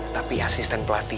tapi asisten pelatih